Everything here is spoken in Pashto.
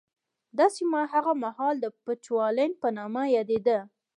دا سیمه هغه مهال د بچوالېنډ په نامه یادېده.